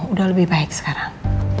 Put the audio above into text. udah lebih baik sekarang